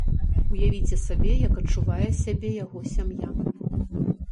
Уявіце сабе, як адчувае сябе яго сям'я.